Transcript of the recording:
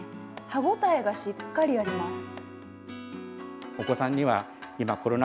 歯応えがしっかりあります。